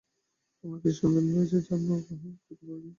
আমরা কীসের সন্ধান করছি যা আপন গৃহে খুঁজে পাই না?